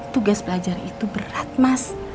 tugas belajar itu berat mas